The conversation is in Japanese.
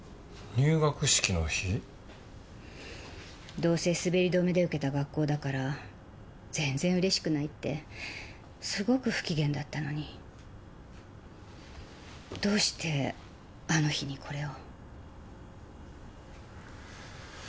どうせ滑り止めで受けた学校だから全然嬉しくないってすごく不機嫌だったのにどうしてあの日にこれを。